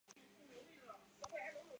经费由美国供给。